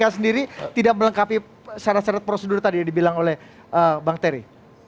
karena sendiri tidak melengkapi syarat syarat prosedur tadi yang dibilang oleh bang terry